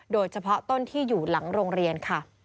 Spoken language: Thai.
โดยเฉพาะต้นที่อยู่หลังโรงเรียนค่ะ